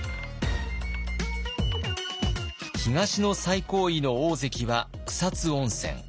東の最高位の大関は草津温泉。